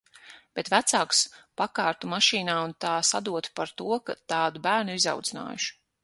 Bet vecākus pakārtu mašīnā un tā sadotu par to, ka tādu bērnu ir izaudzinājuši.